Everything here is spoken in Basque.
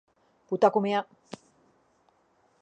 puta kumea